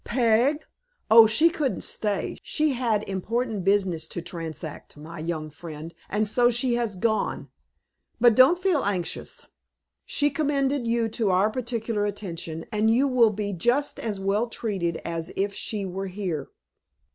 "Peg? Oh, she couldn't stay. She had important business to transact, my young friend, and so she has gone; but don't feel anxious. She commended you to our particular attention, and you will be just as well treated as if she were here."